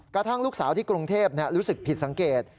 กระทั่งลูกสาวที่กรุงเทพรู้สึกผิดสังเกต